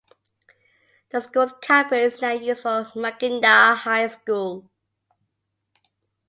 The school's campus is now used for Mackinaw High School.